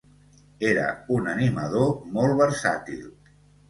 Era un animador molt versàtil